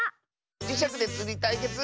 じしゃくでつりたいけつ